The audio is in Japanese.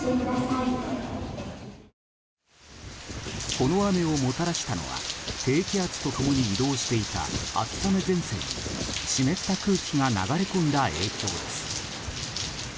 この雨をもたらしたのは低気圧と共に移動していた秋雨前線に湿った空気が流れ込んだ影響です。